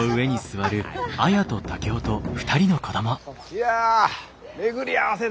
いや巡り合わせだねえ。